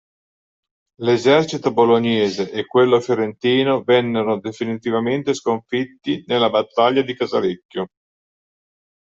L'esercito bolognese e quello fiorentino vennero definitivamente sconfitti nella Battaglia di Casalecchio.